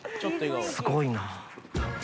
すごいな。